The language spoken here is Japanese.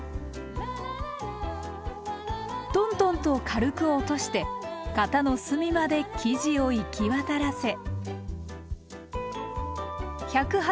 トントンと軽く落として型の隅まで生地を行き渡らせ。